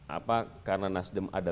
apa karena nasdem ada